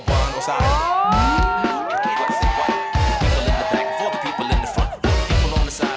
บอลลีลามกุฏร